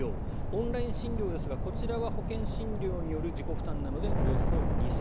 オンライン診療ですがこちらは保険診療による自己負担なのでおよそ２０００円。